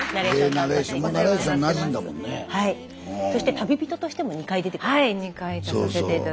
そして旅人としても２回出て。